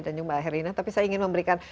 dan mbak herina tapi saya ingin memberikan